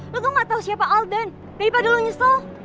lo tuh gak tau siapa alden daripada lo nyesel